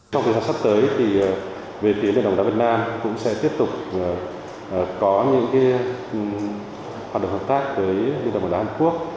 trong thời gian sắp tới về tiến đồng đá việt nam cũng sẽ tiếp tục có những hoạt động hợp tác với đồng đá hàn quốc